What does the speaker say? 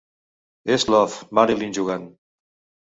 És Love, Marilyn jugant